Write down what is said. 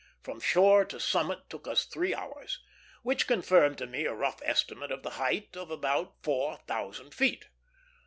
From shore to summit took us three hours, which confirmed to me a rough estimate of the height as about four thousand feet.